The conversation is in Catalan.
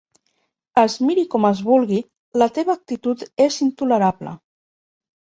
Es miri com es vulgui, la teva actitud és intolerable.